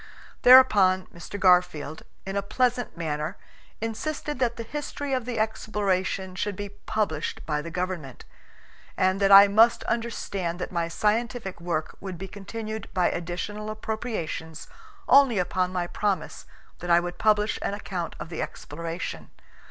Thereupon Mr. Garfield, in a pleasant manner, insisted that the history of the exploration should be published by the government, and that I must understand that my scientific work would be continued by additional appropriations only upon my promise that I would publish an account of the exploration.